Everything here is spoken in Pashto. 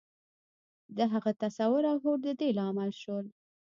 د هغه تصور او هوډ د دې لامل شول.